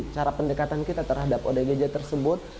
cara pendekatan kita terhadap odgj tersebut